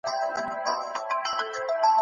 وګورو څه یې ویلي